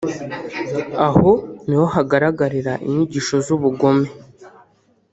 Aho niho hagaragarira inyigisho z’ubugome